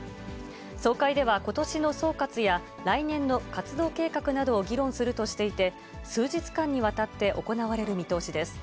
総会ではことしの総括や来年の活動計画などを議論するとしていて、数日間にわたって行われる見通しです。